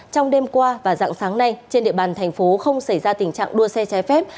trong đêm qua và dạng sáng nay trên địa bàn thành phố không xảy ra tình trạng đua xe trái phép